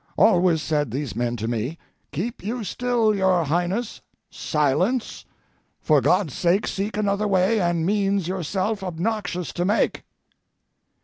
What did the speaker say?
Always said these men to me: "Keep you still, your Highness! Silence! For God's sake seek another way and means yourself obnoxious to make."